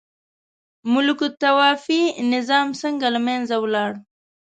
ملوک الطوایفي نظام څنګه له منځه ولاړ؟